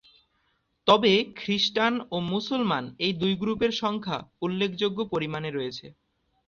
তবে খ্রিস্টান ও মুসলমান এই দুই গ্রুপের সংখ্যা উল্লেখযোগ্য পরিমানে রয়েছে।